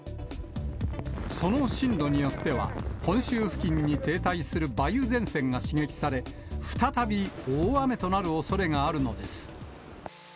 その進路によっては、本州付近に停滞する梅雨前線が刺激され、再び大雨となるおそれがあるのです。